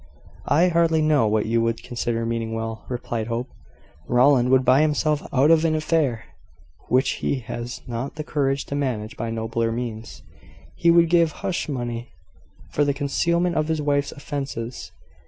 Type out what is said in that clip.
"I hardly know what you would consider meaning well," replied Hope. "Rowland would buy himself out of an affair which he has not the courage to manage by nobler means. He would give hush money for the concealment of his wife's offences.